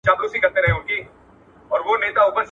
سرمایه داري د افراط لاره ده.